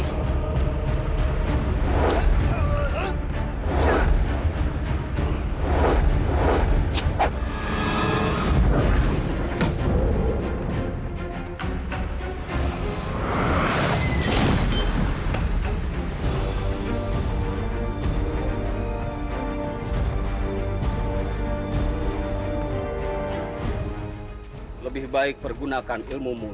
aku tidak mau jadi muridmu